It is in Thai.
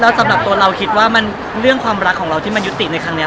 สำหรับตัวเราคิดว่าเรื่องความรักของเราที่มันยุติในครั้งนี้